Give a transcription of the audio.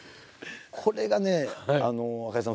これがね赤井さん